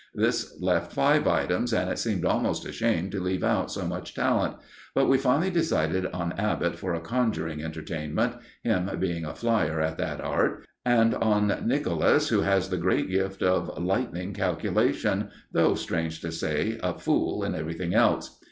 This left five items, and it seemed almost a shame to leave out so much talent; but we finally decided on Abbott for a conjuring entertainment him being a flyer at that art and on Nicholas, who has the great gift of lightning calculation, though, strange to say, a fool in everything else.